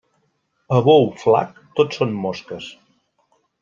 A bou flac tot són mosques.